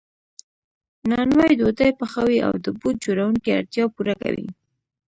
نانوای ډوډۍ پخوي او د بوټ جوړونکي اړتیا پوره کوي